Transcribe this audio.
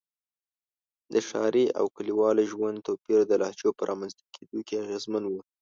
د ښاري او کلیوالي ژوند توپیر د لهجو په رامنځته کېدو کې اغېزمن و.